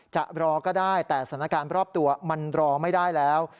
จะรอก็ได้แต่สถานการณ์รอบตัวมันรอไม่ได้แล้ว